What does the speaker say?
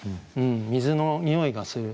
水のにおいがする。